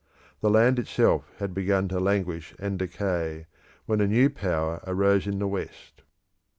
The land itself had begun to languish and decay, when a new power arose in the West.